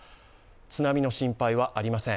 津波の心配はありません。